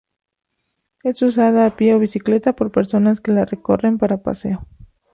Es usada a pie o bicicleta por personas que la recorren para paseo.